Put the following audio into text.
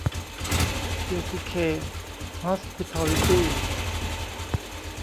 เจซีเค ฮอสพิทอลลิตี้